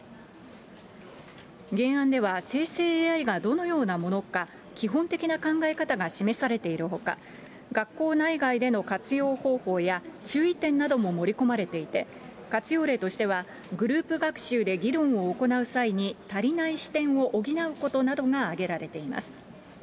原案では、生成ＡＩがどのようなものか、基本的な考え方が示されているほか、学校内外での活用方法や、注意点なども盛り込まれていて、活用例としては、グループ学習で議論を行う際に、足りない視点を補うことなどが挙げられています。